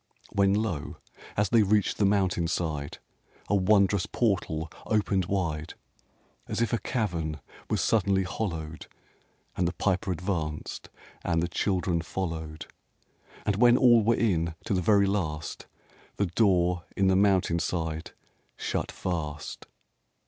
When, lo, as they reached the mountain side, A wondrous portal opened wide, As if a cavern was suddenly hollowed; And the Piper advanced and the children followed; And when all were in, to the very last, The door in the mountain side shut fast.